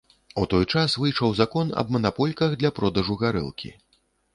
У той час выйшаў закон аб манапольках для продажу гарэлкі.